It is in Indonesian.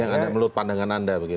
yang ada menurut pandangan anda begitu